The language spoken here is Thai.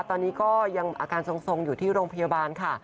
ตอนนี้ก็ยังอาการทรงอยู่ที่โรงพยาบาลค่ะ